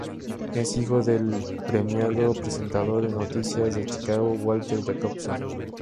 Es hijo del premiado presentador de noticias de Chicago, Walter Jacobson.